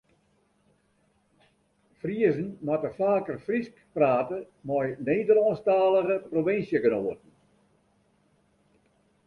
Friezen moatte faker Frysk prate mei Nederlânsktalige provinsjegenoaten.